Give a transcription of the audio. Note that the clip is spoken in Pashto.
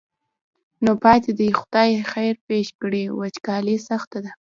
نو پاتې دې خدای خیر پېښ کړي وچکالي سخته ده.